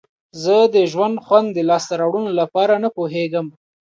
زه د ژوند خوند د لاسته راوړلو لپاره نه پوهیږم.